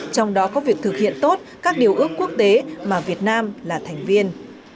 trong đó có việc thực hiện tốt các điều ước quốc tế mà việt nam là thành viên